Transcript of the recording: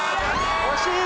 惜しい！